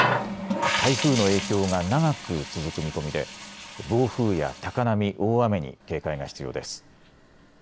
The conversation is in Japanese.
台風の影響が長く続く見込みで暴風や高波、大雨に警戒が必要です。